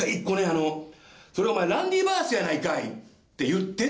あの「“それお前ランディ・バースやないかい！”って言って」